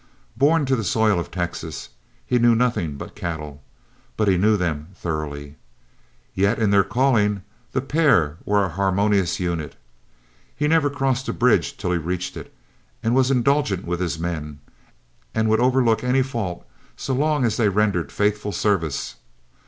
Born to the soil of Texas, he knew nothing but cattle, but he knew them thoroughly. Yet in their calling, the pair were a harmonious unit. He never crossed a bridge till he reached it, was indulgent with his men, and would overlook any fault, so long as they rendered faithful service.